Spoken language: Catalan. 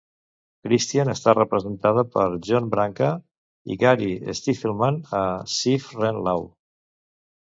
Kristian està representada per John Branca i Gary Stiffelman a ZiffrenLaw.